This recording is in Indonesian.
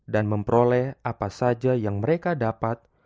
dan memperoleh apa saja yang mereka dapat